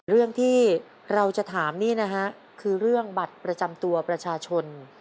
เรื่องที่เราจะถามนี่นะฮะคือเรื่องบัตรประจำตัวประชาชน